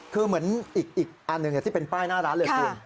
คือเหมือนอีกอันหนึ่งที่เป็นป้ายหน้าร้านเลยคุณ